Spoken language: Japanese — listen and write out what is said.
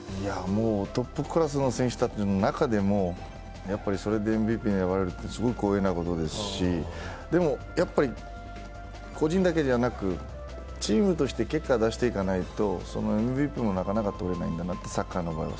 トップクラスの選手たちの中でもＭＶＰに選ばれるのはすごい光栄なことですし、個人だけじゃなく、チームとして結果出していかないとＭＶＰもなかなか取れないんです。